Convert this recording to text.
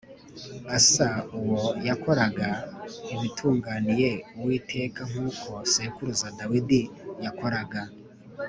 Asa uwo yakoraga ibitunganiye Uwiteka nk’uko sekuruza Dawidi yakoraga